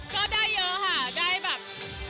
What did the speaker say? ก็ได้เยอะค่ะได้แบบ